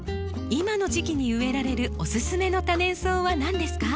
今の時期に植えられるおすすめの多年草は何ですか？